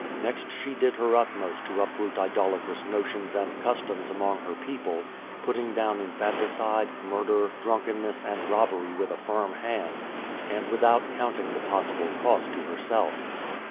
Next she did her utmost to uproot idolatrous notions and customs among her people, putting down infanticide, murder, drunken ness, and robbery with a firm hand, and without counting the possible cost to herself.